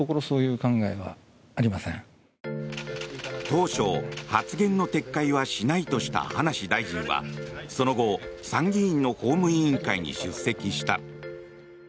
当初、発言の撤回はしないとした葉梨大臣はその後、参議院の法務委員会に出席した。